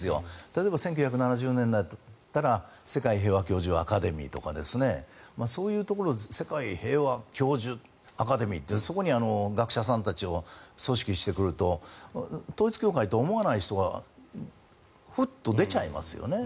例えば１９７０年代だったら世界平和教授アカデミーとかですねそういうところで世界平和教授アカデミーというそこに学者さんたちを組織してくると統一教会と思わない人がフッと出ちゃいますよね。